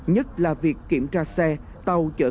nhất là việc kiểm tra xe tàu